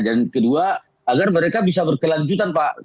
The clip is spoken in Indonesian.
dan kedua agar mereka bisa berkelanjutan pak